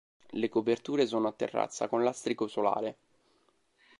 Le coperture sono a terrazza con lastrico solare.